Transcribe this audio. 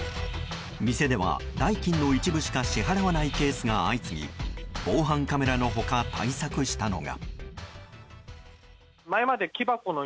店では代金の一部しか支払わないケースが相次ぎ防犯カメラの他対策したのが。